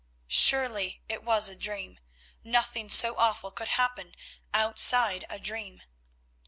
Surely it was a dream—nothing so awful could happen outside a dream.